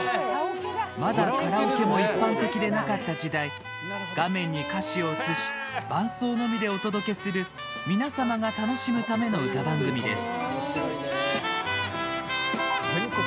まだカラオケも一般的でなかった時代画面に歌詞を映し、伴奏のみでお届けする、みなさまが楽しむための歌番組です。